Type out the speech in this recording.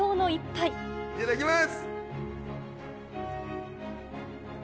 いただきます。